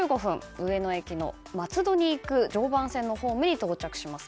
上野駅の、松戸に行く常磐線のホームに到着します。